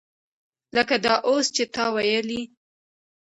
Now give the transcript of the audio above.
لکه دا اوس چې تا وویلې.